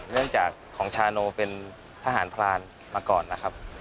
เนื่องจากของชาโนเป็นทหารพรานมาก่อนนะครับ